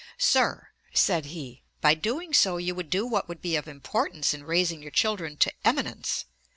"Sir, (said he,) by doing so you would do what would be of importance in raising your children to eminence.